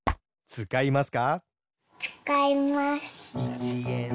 つかいます。